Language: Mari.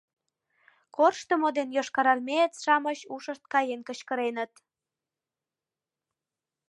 Корштымо ден йошкарармеец-шамыч ушышт каен кычкыреныт.